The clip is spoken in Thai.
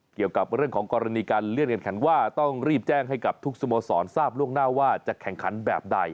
เกี่ยวกับเรื่องของกรณีการเลื่อนการขันว่าต้องรีบแจ้งให้กับทุกสโมสรทราบล่วงหน้าว่าจะแข่งขันแบบใด